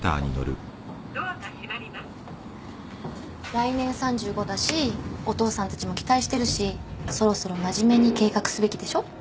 来年３５だしお父さんたちも期待してるしそろそろ真面目に計画すべきでしょ？